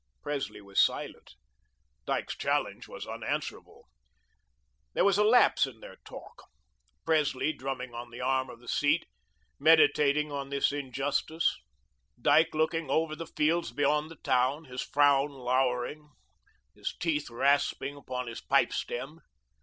Presley was silent. Dyke's challenge was unanswerable. There was a lapse in their talk, Presley drumming on the arm of the seat, meditating on this injustice; Dyke looking off over the fields beyond the town, his frown lowering, his teeth rasping upon his pipestem.